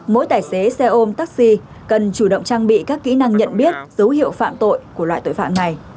mỗi tài xế xe ôm taxi cần chủ động trang bị các kỹ năng nhận biết dấu hiệu phạm tội của loại tội phạm này